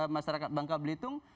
masyarakat bangka belitung